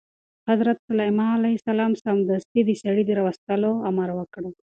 حضرت سلیمان علیه السلام سمدستي د سړي د راوستلو امر وکړ.